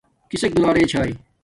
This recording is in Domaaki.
کسک دولرے چھاݵ